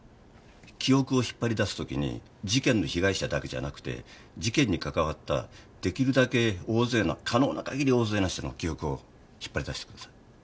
記憶を引っ張り出す時に事件の被害者だけじゃなくて事件に関わった出来るだけ大勢な可能な限り大勢な人の記憶を引っ張り出してください。